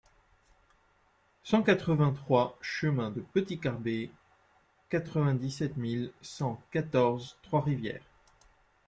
cent quatre-vingt-trois chemin de Petit Carbet, quatre-vingt-dix-sept mille cent quatorze Trois-Rivières